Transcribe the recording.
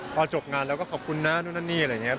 พอจบงานเราก็ขอบคุณนะนู่นนั่นนี่อะไรอย่างนี้